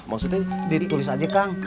maksudnya ditulis aja kang